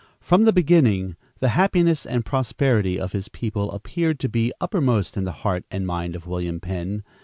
From the beginning, the happiness and prosperity of his people appeared to be uppermost in the heart and mind of William Penn.